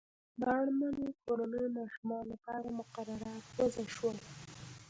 د اړمنو کورنیو ماشومانو لپاره مقررات وضع شول.